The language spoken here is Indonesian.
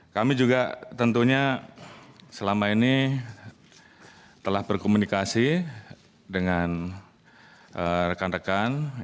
kami juga tentunya selama ini telah berkomunikasi dengan rekan rekan